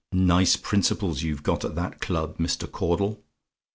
Nice principles you've got at that club, Mr. Caudle!